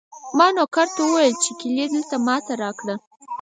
ما نوکر ته وویل چې کیلي دلته ما ته راکړه.